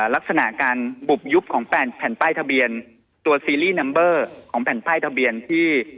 ลักษณะการบุบยุบของแผ่นป้ายทะเบียนตัวซีรีส์นัมเบอร์ของแผ่นป้ายทะเบียนที่